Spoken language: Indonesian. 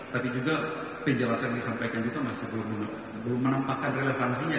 tapi juga penjelasan yang disampaikan juga masih belum menampakkan relevansinya